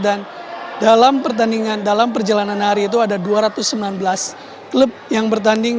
dan dalam pertandingan dalam perjalanan hari itu ada dua ratus sembilan belas klub yang bertanding